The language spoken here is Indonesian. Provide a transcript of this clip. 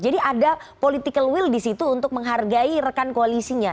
jadi ada political will di situ untuk menghargai rekan koalisinya